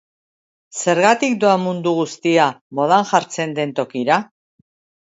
Zergatik doa mundu guztia modan jartzen den tokira?